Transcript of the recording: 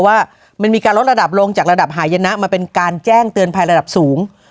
ว่ามันมีการลดระดับลงจากระดับหายนะมาเป็นการแจ้งเตือนภัยระดับสูง